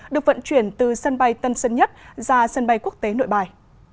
được vận chuyển từ sân bay tân sơn nhất ra sân bay quốc tế nội bài